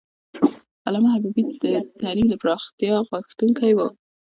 علامه حبیبي د تعلیم د پراختیا غوښتونکی و.